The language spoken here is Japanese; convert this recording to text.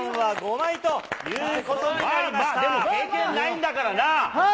まあまあでも、経験ないんだからな。